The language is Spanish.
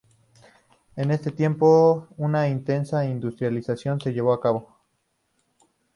En este tiempo una intensa industrialización se llevó a cabo.